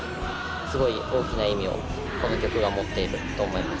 すごい大きな意味をこの曲が持っていると思います。